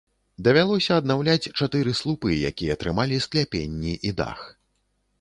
Давялося аднаўляць чатыры слупы, якія трымалі скляпенні і дах.